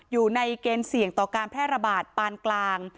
อยู่ในเกณฑ์เสี่ยงต่อการแพร่ระบาดปานกลาง